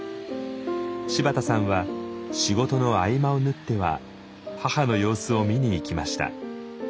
柴田さんは仕事の合間を縫っては母の様子を見に行きました。